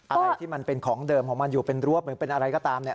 อะไรที่มันเป็นของเดิมของมันอยู่เป็นรั้วหรือเป็นอะไรก็ตาม